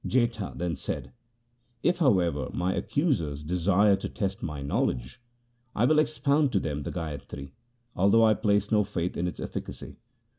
Jetha then said, ' If, however, my accusers desire to test my knowledge I will expound to them the gayatri, although I place no faith in its efficacy.'